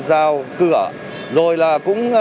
giao cửa rồi là cũng